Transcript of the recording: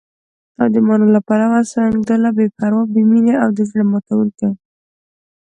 او د مانا له پلوه، سنګدله، بې پروا، بې مينې او د زړه ماتوونکې